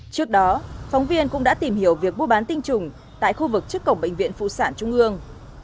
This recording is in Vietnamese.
trước đó phóng viên cũng đã tìm hiểu việc mua bán tinh trùng tại khu vực trước cổng bệnh viện phụ sản trung ương